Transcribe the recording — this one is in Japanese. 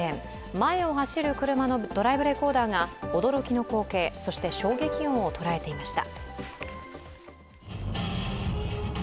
前を走る車のドライブレコーダーが驚きの光景そして衝撃音を捉えていました。